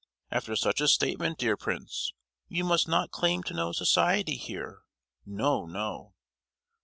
After such a statement, dear Prince, you must not claim to know society here—no, no!"